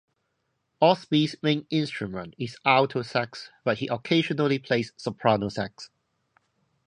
Osby's main instrument is alto sax but he occasionally plays soprano sax.